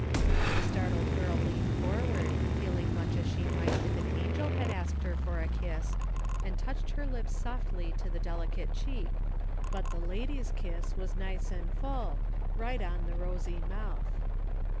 The startled girl leaned forward, feeling much as she might if an angel had asked her for a kiss, and touched her lips softly to the delicate cheek, but the lady's kiss was warm and full, right on the rosy mouth.